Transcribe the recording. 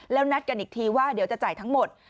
แล้วนัดกันอีกทีว่าเดี๋ยวจะจ่ายทั้งหมด